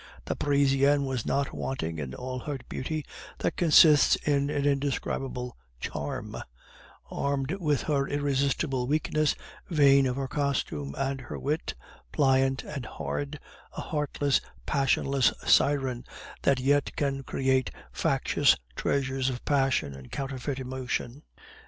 The Parisienne was not wanting in all her beauty that consists in an indescribable charm; armed with her irresistible weakness, vain of her costume and her wit, pliant and hard, a heartless, passionless siren that yet can create factitious treasures of passion and counterfeit emotion.